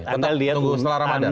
tunggu setelah ramadhan